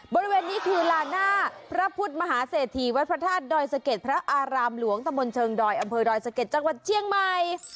บริเวณนี้คือลาหน้าพระพุทธมหาเสถีวัดพระธาตุดอยสะเก็ดพระอารามหลวงตะมนต์เชิงดอยอำเภอดอยสะเก็ดจังหวัดเชียงใหม่